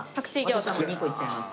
私も２個いっちゃいます。